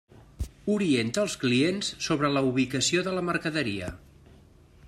Orienta els clients sobre la ubicació de la mercaderia.